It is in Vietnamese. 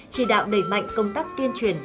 chỉ đạo đẩy mạnh công tác tiên truyển